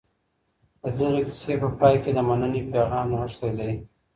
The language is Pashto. د دغي کیسې په پای کي د مننې پیغام نغښتی دی.